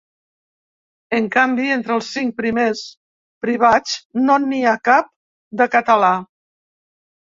En canvi, entre els cinc primers privats no n’hi ha cap de català.